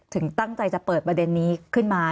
ถึงตั้งใจจะเปิดประเด็นนี้ขึ้นมา